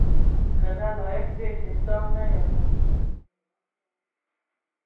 کنه لایق دې د احسان نه یمه